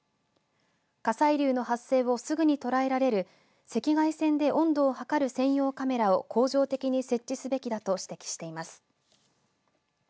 火砕流の発生をすぐに捉えられる赤外線で温度を測る専用カメラを恒常的に設置すべきだと指摘しています。